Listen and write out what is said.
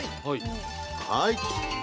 はい。